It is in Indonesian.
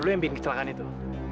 lu yang bikin kecelakaan itu